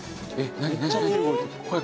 何？